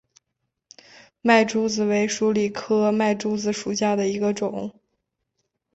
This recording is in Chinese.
麦珠子为鼠李科麦珠子属下的一个种。